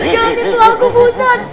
jangan jatuh aku busan